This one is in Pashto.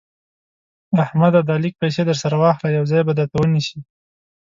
احمده دا لږ پيسې در سره واخله؛ يو ځای به درته ونيسي.